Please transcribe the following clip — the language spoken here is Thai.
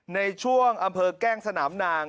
ในช่วงอำเภอแก้งสนามนาง